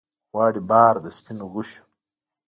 غواړي بار د سپینو غشو